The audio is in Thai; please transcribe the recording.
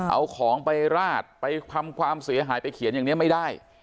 เอาของไปราดไปทำความเสียหายไปเขียนอย่างนี้ไม่ได้